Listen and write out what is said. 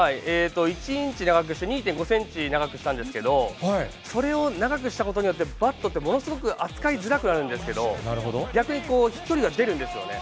１インチ長くして２．５センチ長くしたんですけど、それを、長くしたことによって、バットって、ものすごく扱いづらくなるんですけど、逆にこう、飛距離が出るんですよね。